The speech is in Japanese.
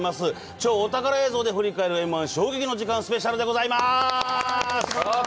「超お宝映像で振り返るＭ−１衝撃の瞬間スペシャル」でございます。